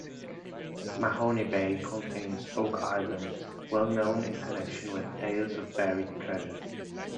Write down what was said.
Mahone Bay contains Oak Island, well known in connection with tales of buried treasure.